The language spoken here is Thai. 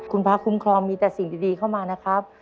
คุณพระคุ้มครองมีแต่สิ่งดีเข้ามานะครับ